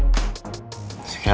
oh ada apa apa